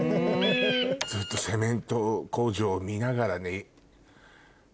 ずっとセメント工場を見ながらね。